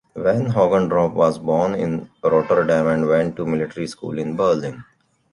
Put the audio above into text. Van Hogendorp was born in Rotterdam, and went to military school in Berlin.